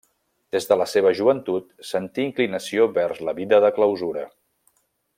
Des de la seva joventut sentí inclinació vers la vida de clausura.